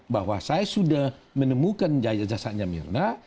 bahwa saya sudah menemukan jasadnya mirna